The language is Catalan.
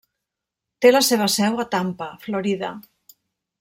Té la seva seu a Tampa, Florida.